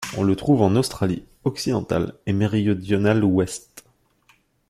On le trouve en Australie occidentale et méridionale ouest.